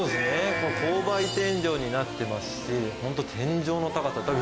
これ勾配天井になってますしホント天井の高さたぶん